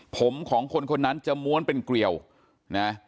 ผมของคนคนนั้นจะม้วนเป็นเกลียวนะ